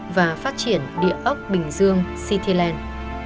và phát triển địa ốc bình dương cityland